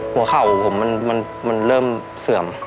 หัวเข่าผมมันเริ่มเสื่อม